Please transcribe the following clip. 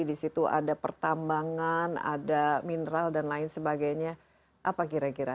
di situ ada pertambangan ada mineral dan lain sebagainya apa kira kira